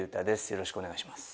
よろしくお願いします。